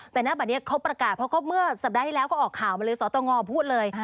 แต่ณบัตรนี้เขาประกาศเพราะเมื่อสัปดาห์ที่แล้วก็ออกข่าวมาเลยสตงพูดเลย